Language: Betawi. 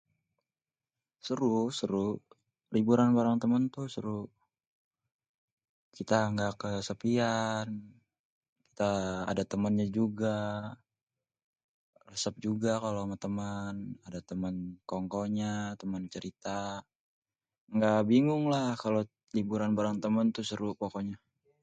Seru, seru, liburan bareng temen tuh seru, kita ga kesepian, kita ada temennya juga resep juga kalo ma temen, ada temen kongkonya, temen cerita, ga bingung lah kalo liburan bareng temen tuh seru pokonya.